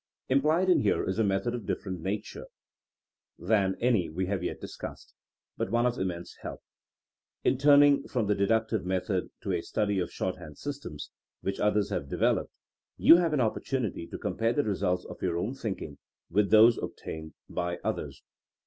Implied in here is a method of different na ture than any we have yet discussed, but one of immense help. In turning from the deductive method to a study of shorthand systems which others have developed, you have an opportunity to compare the results of your own thinking with those obtained by others.